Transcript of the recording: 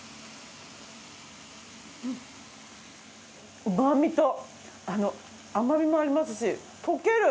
うんうまみと甘みもありますし溶ける！